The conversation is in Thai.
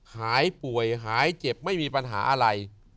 หายป่วยหายเจ็บไม่มีปัญหาอะไร